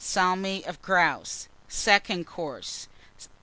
Salmi of Grouse. SECOND COURSE.